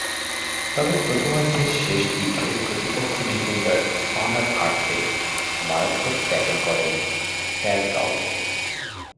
তবে প্রথমার্ধের শেষ দিকে প্রতিপক্ষ ডিফেন্ডার সনার আর্তেক মারাত্মক ট্যাকেল করেন ফ্যালকাওকে।